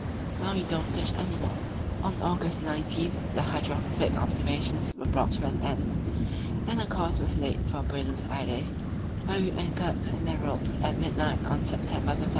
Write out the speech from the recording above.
Now we don't fish any more. On August 19 the hydrographic observations were brought to an end, and a course was laid for Buenos Aires, where we anchored in the roads at midnight on September 1.